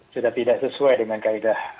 sudah tidak sesuai dengan kaedah